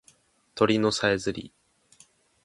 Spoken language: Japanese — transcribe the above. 鳥のさえずり